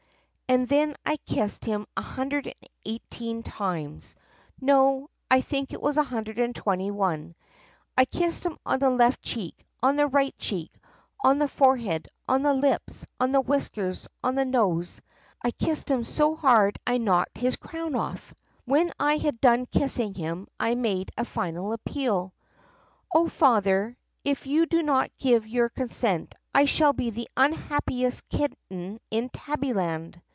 "And then I kissed him 118 times — no, I think it was 121. I kissed him on the left cheek, on the right cheek, on the fore head, on the lips, on the whiskers, on the nose. I kissed him so hard I knocked his crown off. "When I had done kissing him I made a final appeal: 'O Father, if you do not give your consent I shall be the un happiest kitten in Tabbyland!